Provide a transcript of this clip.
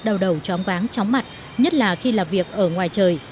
đau đầu chóng ván chóng mặt nhất là khi làm việc ở ngoài trời